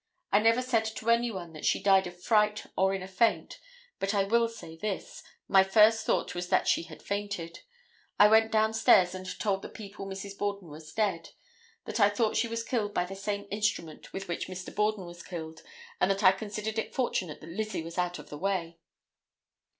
I never said to any one that she died of fright or in a faint; but I will say this, my first thought was that she had fainted; I went down stairs and told the people Mrs. Borden was dead; that I thought she was killed by the same instrument with which Mr. Borden was killed and that I considered it fortunate that Lizzie was out of the way.